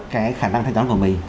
cái khả năng thanh toán của mình